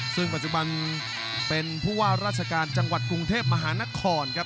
ซึ่งปัจจุบันเป็นผู้ว่าราชการจังหวัดกรุงเทพมหานครครับ